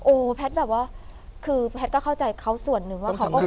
แพทย์แบบว่าคือแพทย์ก็เข้าใจเขาส่วนหนึ่งว่าเขาก็